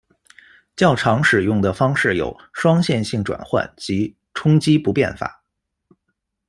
较常使用的方式有双线性转换及冲激不变法。